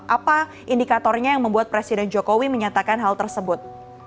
apa indikatornya yang membuat presiden jokowi menyatakan hal tersebut